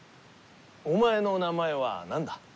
お前の名前は何だ？